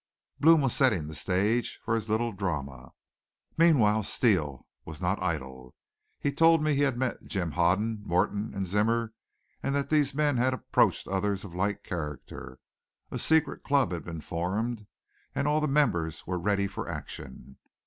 Blome was setting the stage for his little drama. Meanwhile Steele was not idle. He told me he had met Jim Hoden, Morton and Zimmer, and that these men had approached others of like character; a secret club had been formed and all the members were ready for action.